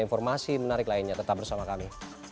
informasi menarik lainnya tetap bersama kami